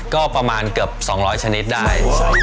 ก็ประมาณเกือบ๒๐๐ชนิดได้